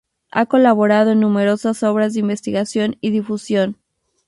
Ha colaborado en numerosas obras de investigación y difusión.